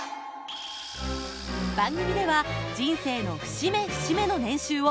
番組では人生の節目節目の年収を随時発表。